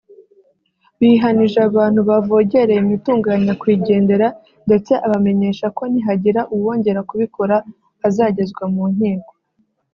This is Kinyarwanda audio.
bihanije abantu bavogereye imitungo ya nyakwigendera ndetse abamenyesha ko nihagira uwongera kubikora azagezwa mu nkiko